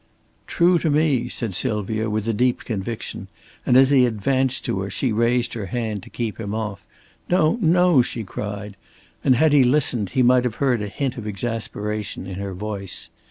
"True to me," said Sylvia, with a deep conviction, and as he advanced to her she raised her hand to keep him off. "No, no," she cried, and had he listened, he might have heard a hint of exasperation in her voice.